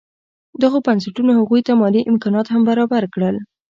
دغو بنسټونو هغوی ته مالي امکانات هم برابر کړل.